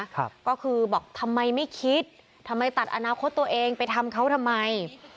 ก็คือบอกทำไมไม่คิดทำไมตัดอนาคตตัวเองไปทำเขาทำไม